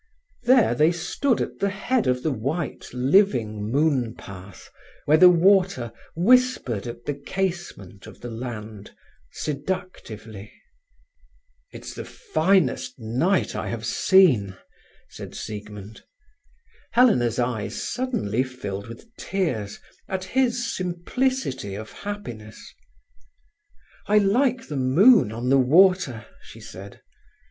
There they stood at the head of the white, living moonpath, where the water whispered at the casement of the land seductively. "It's the finest night I have seen," said Siegmund. Helena's eyes suddenly filled with tears, at his simplicity of happiness. "I like the moon on the water," she said.